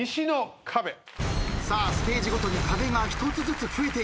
さあステージごとに壁が１つずつ増えていきます。